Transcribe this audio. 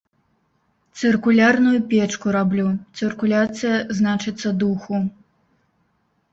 Цыркулярную печку раблю, цыркуляцыя, значыцца, духу.